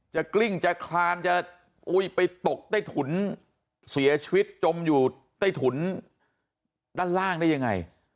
กลิ้งจะคลานจะอุ้ยไปตกใต้ถุนเสียชีวิตจมอยู่ใต้ถุนด้านล่างได้ยังไง